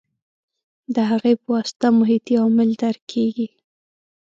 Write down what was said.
د هغې په واسطه محیطي عوامل درک کېږي.